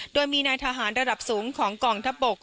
โดยมีนายทหารระดับสูงของกองทัพบก